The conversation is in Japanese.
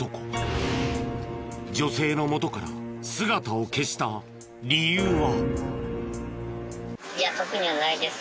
女性のもとから姿を消した理由は？